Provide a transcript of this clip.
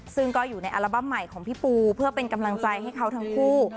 ซึ่งก็อยู่ในอัลบั้มใหม่ของพี่ปูเพื่อเป็นกำลังใจให้เขาทั้งคู่